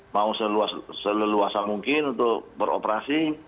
mau seluas mungkin untuk beroperasi